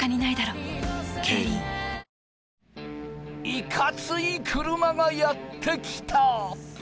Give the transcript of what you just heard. いかつい車がやってきた！